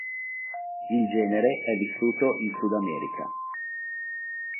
Il genere è vissuto in Sudamerica.